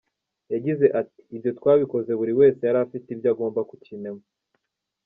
Yagize ati “Ibyo twakoze buri wese yari afite ibyo agomba gukinamo.